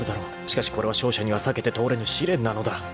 ［しかしこれは勝者には避けて通れぬ試練なのだ］